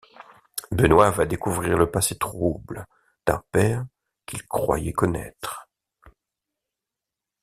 Benoît va découvrir le passé trouble d'un père qu'il croyait connaître.